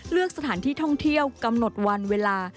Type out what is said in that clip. เลือกสถานที่ท่องเที่ยวกำหนดวันเวลา